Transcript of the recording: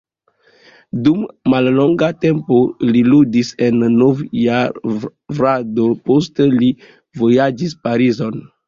Dum mallonga tempo li ludis en Nadjvarado, poste li vojaĝis Parizon.